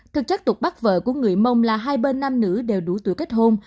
thực chất tục bắt vợ của người mông là hai bên nam nữ đều đủ tuổi kết hôn